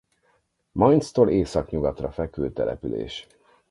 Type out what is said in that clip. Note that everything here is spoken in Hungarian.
Mainztól északnyugatra fekvő település.